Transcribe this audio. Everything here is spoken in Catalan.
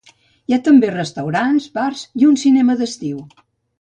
Hi ha també restaurants, bars, i un cinema d'estiu.